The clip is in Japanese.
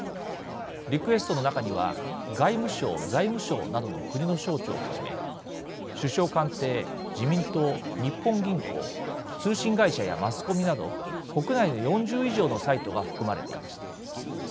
リクエストの中には外務省、財務省などの国の省庁をはじめ首相官邸、自民党、日本銀行通信会社やマスコミなど国内の４０以上のサイトが含まれていました。